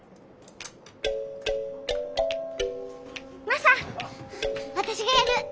マサ私がやる！